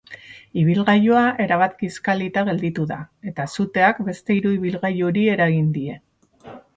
Ibilgailua erabat kiskalita gelditu da, eta suteak beste hiru ibilgailuri eragin die.